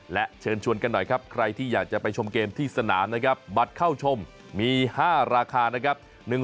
และเชิญชวนกันหน่อยครับใครที่อยากจะไปชมเกมที่สนามนะครับบัตรเข้าชมมี๕ราคานะครับ